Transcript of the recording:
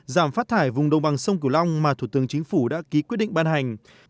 giảm phát thải vùng đồng bằng sông cửu long mà thủ tướng chính phủ đã ký quyết định ban hành